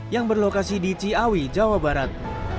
yang berlokasi di ciawi jawa barat